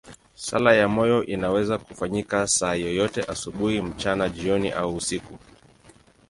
Sala ya moyo inaweza kufanyika saa yoyote, asubuhi, mchana, jioni au usiku.